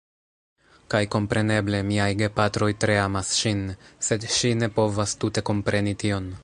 Kaj kompreneble, miaj gepatroj tre amas ŝin, sed ŝi ne povas tute kompreni tion